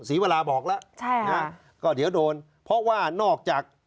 ศรีวราบอกแล้วใช่ค่ะก็เดี๋ยวโดนเพราะว่านอกจาก